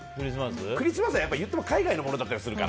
クリスマスは言っても海外のものだったりするから。